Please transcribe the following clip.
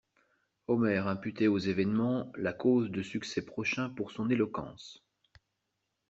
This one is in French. Omer imputait aux événements la cause de succès prochains pour son éloquence.